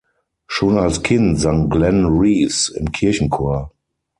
Schon als Kind sang Glenn Reeves im Kirchenchor.